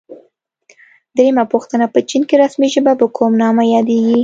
درېمه پوښتنه: په چین کې رسمي ژبه په کوم نامه یادیږي؟